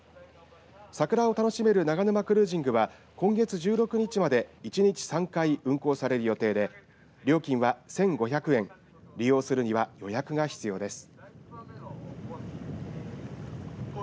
桜を楽しめる長沼クルージングは今月１６日まで一日３回運航される予定で料金は１５００円利用するには予約が必要です。